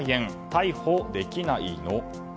逮捕できないの？